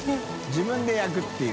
自分で焼くっていう。